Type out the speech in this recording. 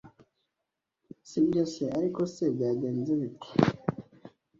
Si byo se? Ariko se byagenze bite?